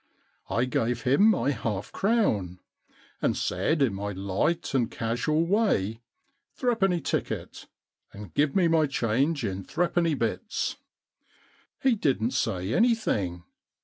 I gave him my half crown, and said in my light and casual way. " Threepenny ticket. And give me my change in threepenny bits. * He didn't say anything.